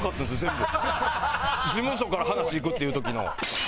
事務所から話行くっていう時の。